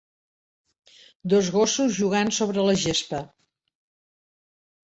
Dos gossos jugant sobre la gespa.